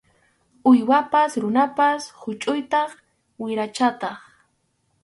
Uywapas runapas huchʼuytaq wirachataq.